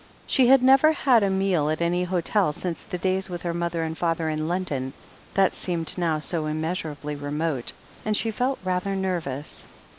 She had never had a meal at any hotel since the days with her mother and father in London, that seemed now so imineasurably remote, and she felt rather nerv ous.